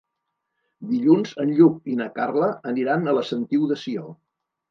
Dilluns en Lluc i na Carla aniran a la Sentiu de Sió.